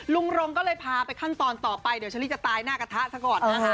ลุงลงก็เลยพาไปขั้นตอนต่อไปเดี๋ยวชะลีจะตายหน้ากระทะสักก่อนนะ